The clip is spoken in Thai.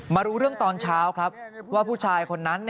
รู้เรื่องตอนเช้าครับว่าผู้ชายคนนั้น